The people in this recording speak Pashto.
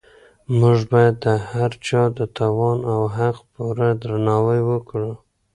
موږ باید د هر چا د توان او حق پوره درناوی وکړو.